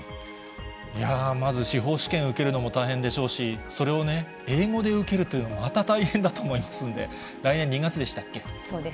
まず司法試験受けるのも大変でしょうし、それを英語で受けるというのはまた大変だと思いますんで、来年２そうです。